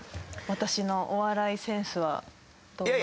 私のお笑いセンスはどう思いますか？